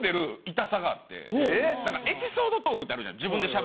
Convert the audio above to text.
エピソードトークってあるじゃないですか。